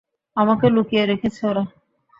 আমাকে লুকিয়ে রেখেছে ওরা?